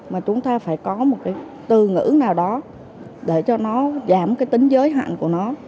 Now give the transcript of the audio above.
mà chúng ta phải có một cái từ ngữ nào đó để cho nó giảm cái tính giới hạn của nó